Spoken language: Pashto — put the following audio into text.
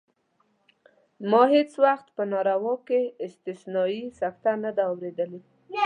ما هېڅ وخت په نارو کې استثنایي سکته نه ده اورېدلې.